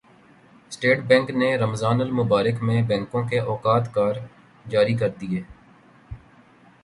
state bank نے رمضان المبارک میں بینکوں کے اوقات کار جاری کردیے